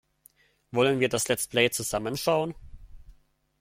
Wollen wir das Let's Play zusammen schauen?